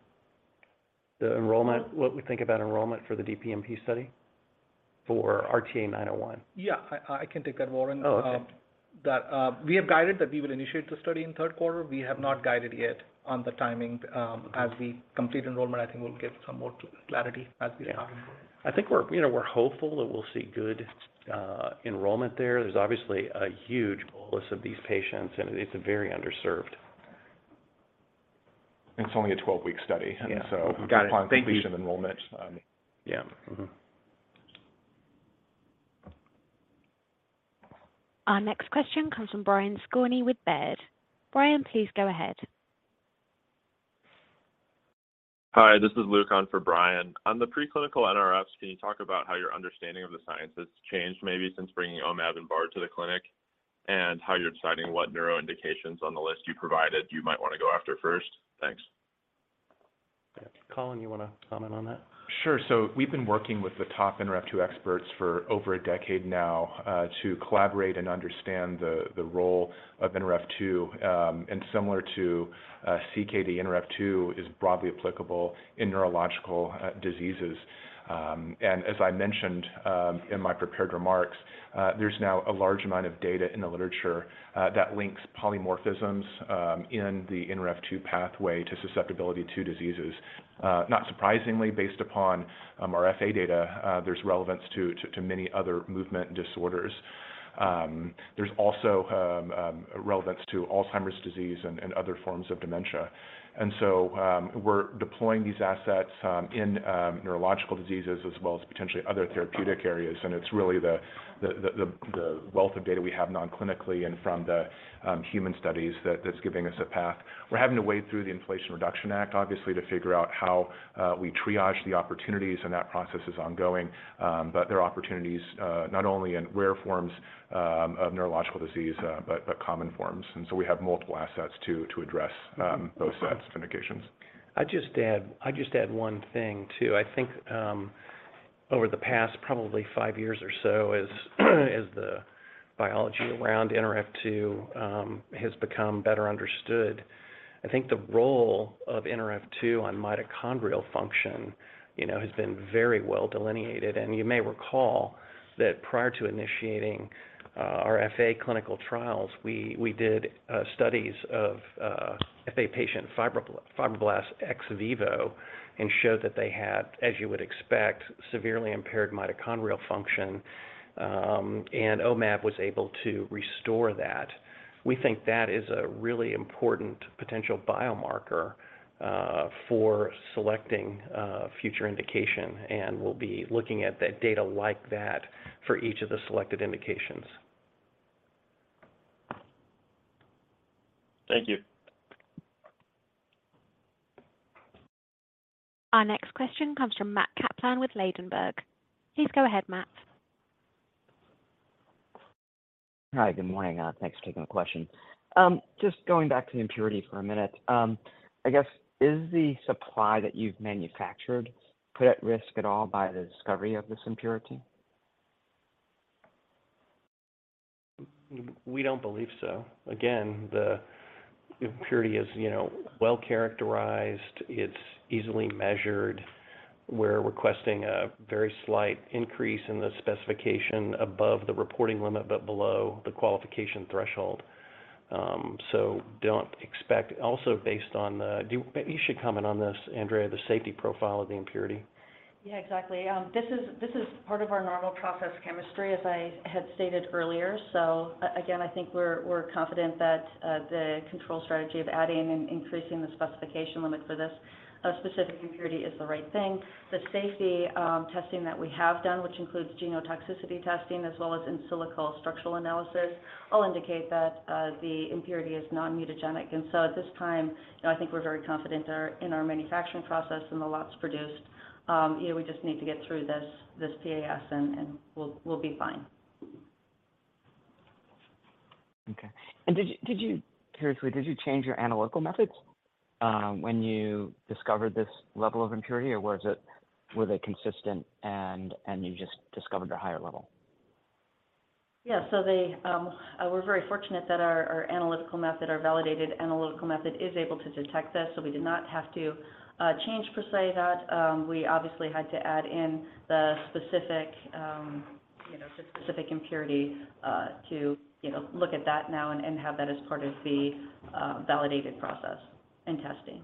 The enrollment, what we think about enrollment for the DPNP study for RTA 901. Yeah, I can take that, Maury. Oh, okay. That we have guided that we will initiate the study in third quarter. We have not guided yet on the timing. As we complete enrollment, I think we'll get some more clarity as we go. Yeah. I think we're, you know, we're hopeful that we'll see good enrollment there. There's obviously a huge pool of these patients, and it's very underserved. It's only a 12-week study. Yeah. Got it. Thank you. Upon completion of enrollment. Yeah. Mm-hmm. Our next question comes from Brian Skorney with Baird. Brian, please go ahead. Hi, this is Luke on for Brian. On the preclinical Nrf2, can you talk about how your understanding of the science has changed maybe since bringing Omav and BAR to the clinic, and how you're deciding what neuro indications on the list you provided you might wanna go after first? Thanks. Colin, you wanna comment on that? Sure. We've been working with the top NRF2 experts for over a decade now, to collaborate and understand the role of NRF2. Similar to CKD, NRF2 is broadly applicable in neurological diseases. As I mentioned, in my prepared remarks, there's now a large amount of data in the literature that links polymorphisms in the NRF2 pathway to susceptibility to diseases. Not surprisingly, based upon our FA data, there's relevance to many other movement disorders. There's also relevance to Alzheimer's disease and other forms of dementia. We're deploying these assets in neurological diseases as well as potentially other therapeutic areas. It's really the wealth of data we have non-clinically and from the human studies that's giving us a path. We're having to wade through the Inflation Reduction Act, obviously, to figure out how we triage the opportunities, and that process is ongoing. There are opportunities not only in rare forms of neurological disease, but common forms. We have multiple assets to address both sets of indications. I'd just add one thing too. I think, over the past probably five years or so as the biology around NRF2 has become better understood, I think the role of NRF2 on mitochondrial function, you know, has been very well delineated. You may recall that prior to initiating our FA clinical trials, we did studies of FA patient fibroblast ex vivo and showed that they had, as you would expect, severely impaired mitochondrial function, and Omav was able to restore that. We think that is a really important potential biomarker for selecting a future indication, and we'll be looking at the data like that for each of the selected indications. Thank you. Our next question comes from Matt Kaplan with Ladenburg. Please go ahead, Matt. Hi. Good morning. Thanks for taking the question. Just going back to the impurity for a minute. I guess, is the supply that you've manufactured put at risk at all by the discovery of this impurity? We don't believe so. Again, the impurity is, you know, well-characterized. It's easily measured. We're requesting a very slight increase in the specification above the reporting limit, but below the qualification threshold. Don't expect. Also based on, Maybe you should comment on this, Andrea, the safety profile of the impurity. Yeah, exactly. This is part of our normal process chemistry, as I had stated earlier. Again, I think we're confident that the control strategy of adding and increasing the specification limit for this specific impurity is the right thing. The safety testing that we have done, which includes genotoxicity testing as well as in silico structural analysis, all indicate that the impurity is non-mutagenic. At this time, you know, I think we're very confident in our manufacturing process and the lots produced. You know, we just need to get through this PAS and we'll be fine. Okay. Curiously, did you change your analytical methods when you discovered this level of impurity, or were they consistent and you just discovered a higher level? Yeah. We're very fortunate that our analytical method, our validated analytical method is able to detect this, so we did not have to change per se that. We obviously had to add in the specific, you know, the specific impurity, to, you know, look at that now and have that as part of the validated process in testing.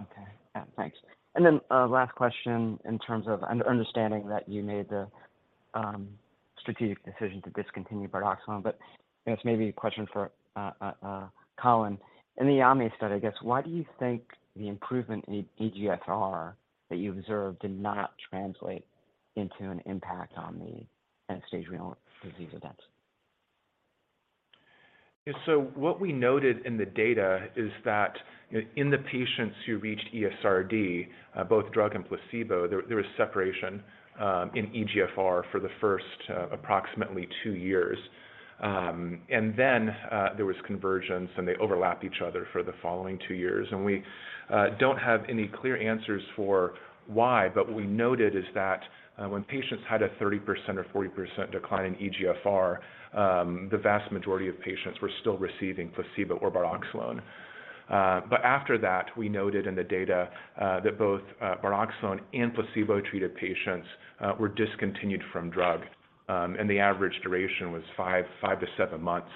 Okay. Yeah. Thanks. Last question in terms of understanding that you made the strategic decision to discontinue Bardoxolone, but I guess maybe a question for Colin. In the AYAME study, I guess, why do you think the improvement in eGFR that you observed did not translate into an impact on the end-stage renal disease events? What we noted in the data is that in the patients who reached ESRD, both drug and placebo, there was separation in eGFR for the first approximately two years. There was convergence, and they overlapped each other for the following two years. We don't have any clear answers for why. What we noted is that when patients had a 30% or 40% decline in eGFR, the vast majority of patients were still receiving placebo or Bardoxolone. After that, we noted in the data, that both Bardoxolone and placebo-treated patients were discontinued from drug. The average duration was five-seven months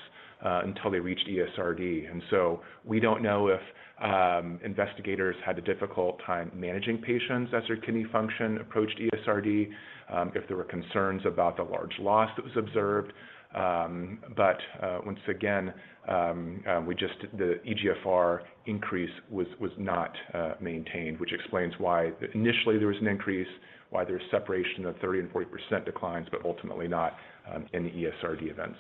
until they reached ESRD. We don't know if investigators had a difficult time managing patients as their kidney function approached ESRD, if there were concerns about the large loss that was observed. Once again, The eGFR increase was not maintained, which explains why initially there was an increase, why there's separation of 30% and 40% declines, but ultimately not any ESRD events.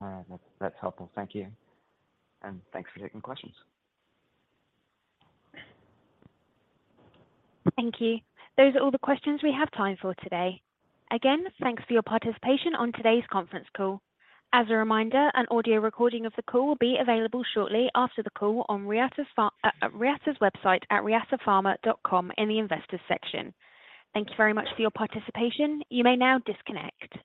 All right. That's helpful. Thank you. Thanks for taking questions. Thank you. Those are all the questions we have time for today. Thanks for your participation on today's conference call. As a reminder, an audio recording of the call will be available shortly after the call on Reata's website at reatapharma.com in the investors section. Thank you very much for your participation. You may now disconnect.